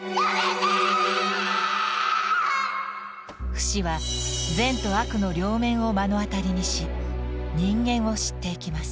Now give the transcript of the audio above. フシは善と悪の両面を目の当たりにし人間を知っていきます。